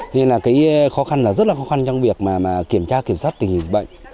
nên là cái khó khăn là rất là khó khăn trong việc mà kiểm tra kiểm soát tình hình dịch bệnh